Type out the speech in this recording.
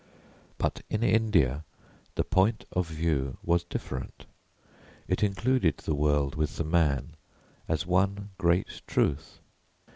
But in India the point of view was different; it included the world with the man as one great truth.